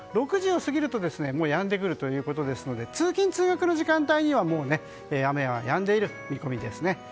６時を過ぎるとやんでくるということですから通勤・通学の時間帯にはもう雨は、やんでいる見込みです。